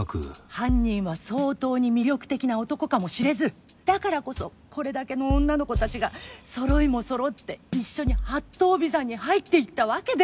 犯人は相当に魅力的な男かもしれずだからこそこれだけの女の子たちがそろいもそろって一緒に八頭尾山に入っていったわけで。